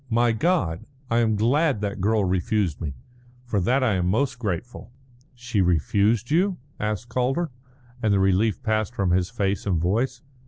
My God, I am glad that girl refused me. For that I am most grateful." "She refused you?" asked Calder, and the relief passed from his face and voice.